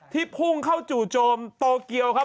พุ่งเข้าจู่โจมโตเกียวครับ